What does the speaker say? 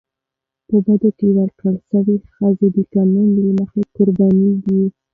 په بدو کي ورکول سوي ښځي د قانون له مخي قرباني دي.